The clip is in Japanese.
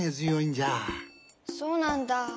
そうなんだ。